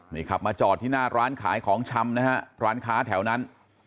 นี่ขับมาจอดที่หน้าร้านขายของชำนะฮะร้านค้าแถวนั้น